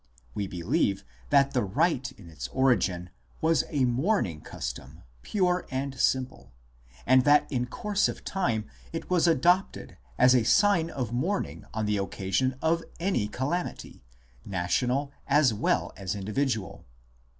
We believe that the rite in its origin was a mourning custom pure and simple, and that in course of time it was adopted as a sign of mourn ing on the occasion of any calamity, national as well as individual.